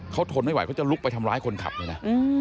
เขาทนไม่ไหวเขาจะลุกไปทำร้ายคนขับเลยนะ